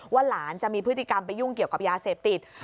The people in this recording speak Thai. หลานจะมีพฤติกรรมไปยุ่งเกี่ยวกับยาเสพติด